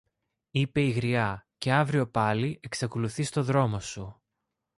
είπε η γριά, και αύριο πάλι εξακολουθείς το δρόμο σου.